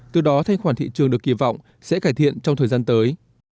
từ đó thanh khoản thị trường được kỳ vọng sẽ cải thiện trong thời gian tới